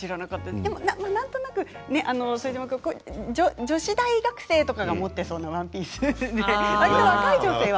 でも、なんとなく女子大学生が持っていそうなワンピース。